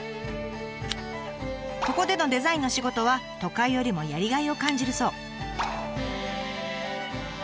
ここでのデザインの仕事は都会よりもやりがいを感じるそう。